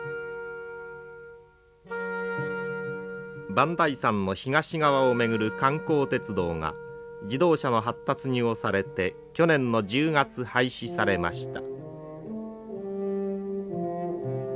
磐梯山の東側を巡る観光鉄道が自動車の発達に押されて去年の１０月廃止されました。